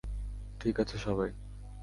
ঠিক আছে, সবাই।